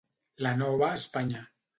La Nova Espanya.